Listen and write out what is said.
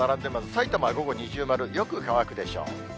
さいたまは午後二重丸、よく乾くでしょう。